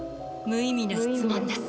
無意味な質問です。